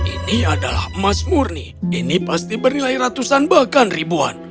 ini adalah emas murni ini pasti bernilai ratusan bahkan ribuan